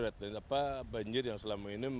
dan apa banjir yang selama ini